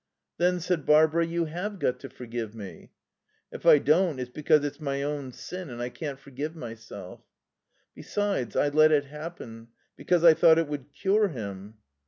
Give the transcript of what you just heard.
"Then," said Barbara, "you have got to forgive me." "If I don't, it's because it's my own sin and I can't forgive myself.... "... Besides, I let it happen. Because I thought it would cure him."